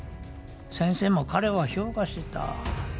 先生も彼は評価してた。